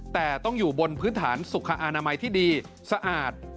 แต่ต้องอยู่บนพื้นฐานสุขอนามัยที่ดีสะอาด